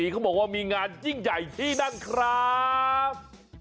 เขาบอกว่ามีงานยิ่งใหญ่ที่นั่นครับ